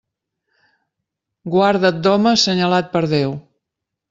Guarda't d'home senyalat per Déu.